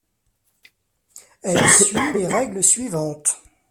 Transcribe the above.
Elle suit les règles suivantes.